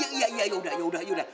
ya ya ya ya yaudah yaudah yaudah